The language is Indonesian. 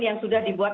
yang sudah dibuat